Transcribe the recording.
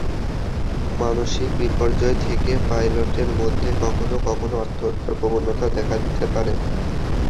মানসিক বিপর্যয় থেকে পাইলটের মধ্যে কখনো কখনো আত্মহত্যার প্রবণতা দেখা দিতে পারে।